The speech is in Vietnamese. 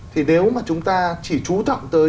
thì nếu mà chúng ta chỉ trú tọng tới